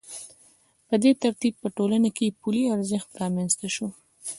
په دې ترتیب په ټولنه کې پولي ارزښت رامنځته شو